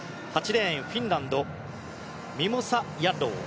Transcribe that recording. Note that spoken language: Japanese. ８レーン、フィンランドミモサ・ヤッロウ。